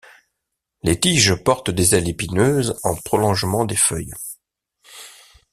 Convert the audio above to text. Les tiges portent des ailes épineuses en prolongement des feuilles.